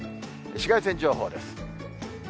紫外線情報です。